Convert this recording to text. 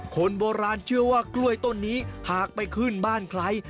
คนโบราณเชื่อว่ากล้วยต้นนี้หากไปขึ้นบ้านใคร